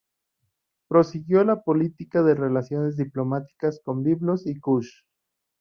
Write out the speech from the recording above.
Prosiguió la política de relaciones diplomáticas con Biblos y Kush.